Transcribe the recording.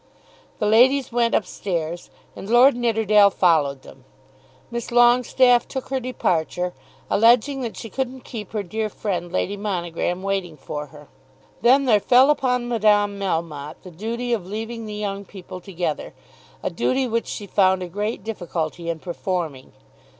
The ladies went up stairs, and Lord Nidderdale followed them. Miss Longestaffe soon took her departure, alleging that she couldn't keep her dear friend Lady Monogram waiting for her. Then there fell upon Madame Melmotte the duty of leaving the young people together, a duty which she found a great difficulty in performing.